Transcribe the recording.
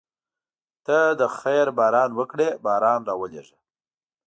ته د خیر باران وکړې باران راولېږه.